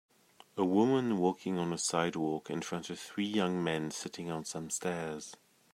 A woman walking on a sidewalk in front of three young men sitting on some stairs.